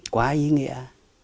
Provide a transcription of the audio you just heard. quá ý nghĩa